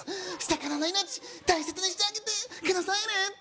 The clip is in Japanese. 魚の命大切にしてあげてくださいね